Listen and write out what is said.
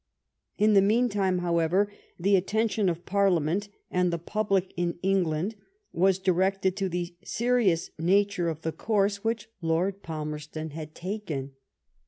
In the meantime, however, the attention of Par liament and the public in England was directed to the serious nature of the course which Lord Pal merston had taken.